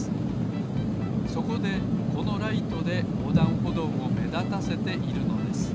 そこでこのライトでおうだんほどうをめだたせているのです